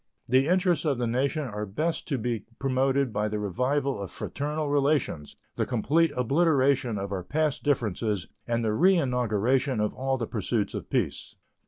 The interests of the nation are best to be promoted by the revival of fraternal relations, the complete obliteration of our past differences, and the reinauguration of all the pursuits of peace.